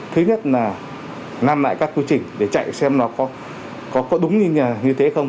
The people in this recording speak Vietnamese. thứ nhất là làm lại các quy trình để chạy xem nó có đúng như thế không